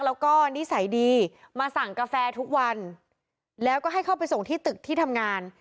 แล้วก็นิสัยดีมาสั่งกาแฟทุกวันแล้วก็ให้เข้าไปส่งที่ตึกที่ทำงาน